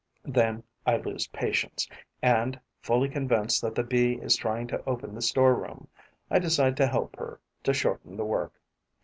Then I lose patience; and, fully convinced that the Bee is trying to open the store room, I decide to help her to shorten the work.